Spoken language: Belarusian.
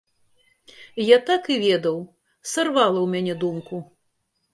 Я так і ведаў, сарвала ў мяне думку.